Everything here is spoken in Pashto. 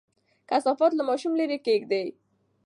کثافات له ماشوم لرې کېږدئ.